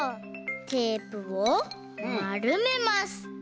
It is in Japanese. テープをまるめます。